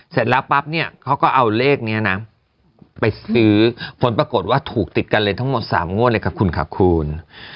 เสร็จแล้วปั๊บเนี่ยเขาก็เอาเลขนี้นะไปซื้อผลปรากฏว่าถูกติดกันเลยทั้งหมด๓งวดเลยครับคุณค่ะคุณ